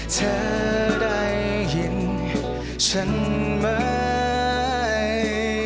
เธอได้เห็นฉันไหม